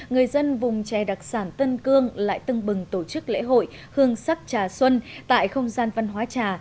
người dân vùng chè đặc sản tân cương lại tưng bừng tổ chức lễ hội hương sắc trà xuân tại không gian văn hóa trà